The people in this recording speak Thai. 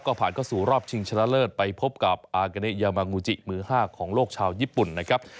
ก็ผ่านเข้าสู่รอบชิงชนะเลิศไปพบกับอากาเนยามางูจิมือ๕ของโลกชาวญี่ปุ่นนะครับ